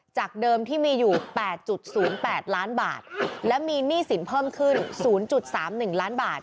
จากเดิมที่มีอยู่๘๐๘ล้านบาทและมีหนี้สินเพิ่มขึ้น๐๓๑ล้านบาท